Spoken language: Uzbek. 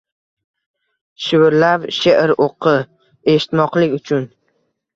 Shivirlab she’r o’qi, eshitmoqlik-chun